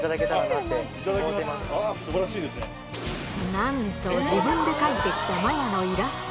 なんと自分で描いて来たまやのイラスト